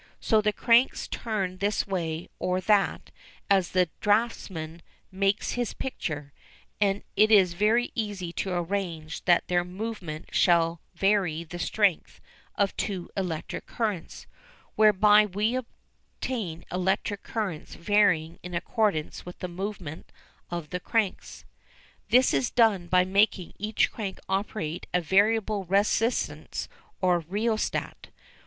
So the cranks turn this way or that as the draughtsman makes his picture, and it is very easy to arrange that their movement shall vary the strength of two electric currents, whereby we obtain electric currents varying in accordance with the movement of the cranks. This is done by making each crank operate a variable resistance or rheostat.